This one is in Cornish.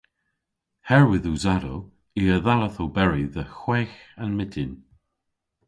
Herwydh usadow i a dhalleth oberi dhe hwegh a'n myttin.